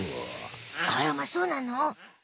あらまそうなの？